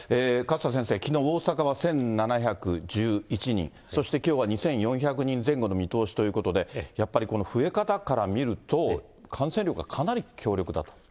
勝田先生、きのう、大阪は１７１１人、そしてきょうは２４００人前後の見通しということで、やっぱりこの増え方から見ると、感染力がかなり強力だと。